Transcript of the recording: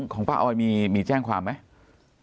ของป้าออยมีแจ้งความไหม